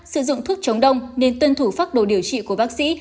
sử dụng thuốc chống đông nên tuân thủ phác đồ điều trị của bác sĩ